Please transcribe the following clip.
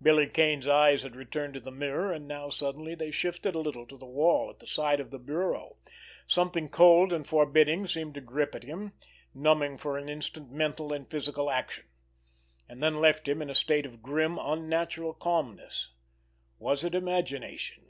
Billy Kane's eyes had returned to the mirror, and now suddenly they shifted a little to the wall at the side of the bureau. Something cold and forbidding seemed to grip at him, numbing for an instant mental and physical action—and then left him in a state of grim, unnatural calmness. Was it imagination?